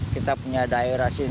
kita punya daerah sini